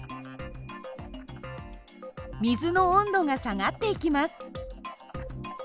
水の温度が下がっていきます。